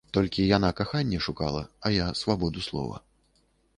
Толькі яна каханне шукала, а я свабоду слова.